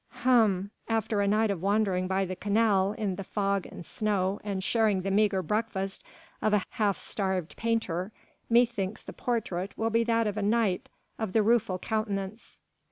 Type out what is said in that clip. "Hm! after a night of wandering by the canal in the fog and snow and sharing the meagre breakfast of a half starved painter, methinks the portrait will be that of a knight of the rueful countenance."